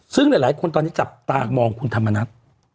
ซึ่งหลายคนตอนนี้จับตามองคุณธรรมนัฐ